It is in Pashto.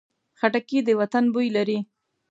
خټکی د وطن بوی لري.